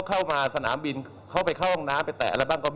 เพราะถือว่าคุณไม่มีความรับผิดชอบต่อสังคม